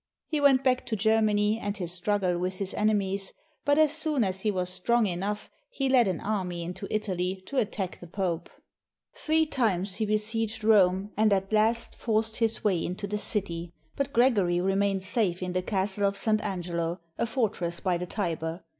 He went back to Germany and his struggle with his enemies, but as soon as he was strong enough he led an army into Italy to attack the Pope. Three times he be sieged Rome, and at last forced his way into the city ; but Gregory remained safe in the Castle of St. Angelo, a fortress by the Tiber.